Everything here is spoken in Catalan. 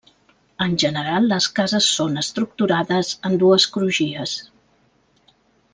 En general les cases són estructurades en dues crugies.